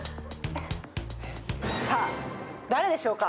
さあ、誰でしょうか？